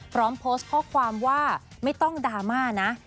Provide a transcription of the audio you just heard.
พร้อมโพสต์ข้อความว่าไม่ต้องดราม่านะ